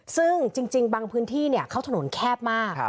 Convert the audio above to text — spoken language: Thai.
ซึ่งจริงบางพื้นที่เขาถนนแคบมาก